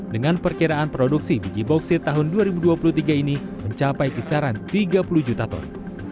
dengan perkiraan produksi biji bauksit tahun dua ribu dua puluh tiga ini mencapai kisaran tiga puluh juta ton